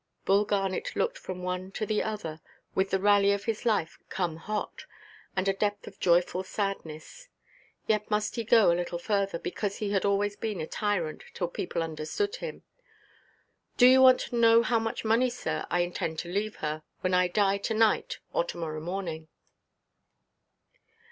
Bull Garnet looked from one to the other, with the rally of his life come hot, and a depth of joyful sadness. Yet must he go a little further, because he had always been a tyrant till people understood him. "Do you want to know how much money, sir, I intend to leave her, when I die to–night or to–morrow morning?"